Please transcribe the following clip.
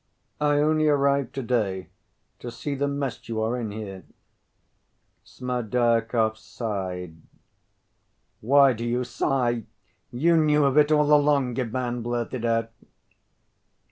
"I only arrived to‐day.... To see the mess you are in here." Smerdyakov sighed. "Why do you sigh? You knew of it all along," Ivan blurted out.